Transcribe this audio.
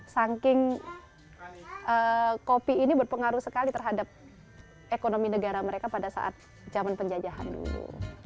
saking kopi ini berpengaruh sekali terhadap ekonomi negara mereka pada saat zaman penjajahan dulu